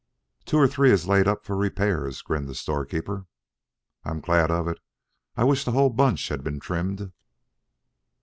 "Two or three is laid up for repairs," grinned the storekeeper. "I'm glad of it. I wish the whole bunch had been trimmed."